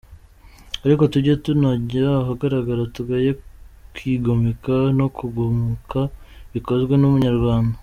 Ariko tujye tunajya ahagaragara tugaye kwigomeka no kugumuka bikozwe n’umunyarwanda.